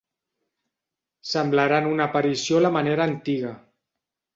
Semblaran una aparició a la manera antiga.